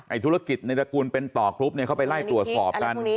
ธุรกิจในตระกูลเป็นต่อกรุ๊ปเนี่ยเขาไปไล่ตรวจสอบกัน